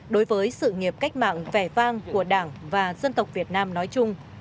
đối với sự nghiệp cách mạng vẻ vang của đảng và dân tộc việt nam nói chung